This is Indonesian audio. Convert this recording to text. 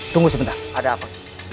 tunggu sebentar ada apa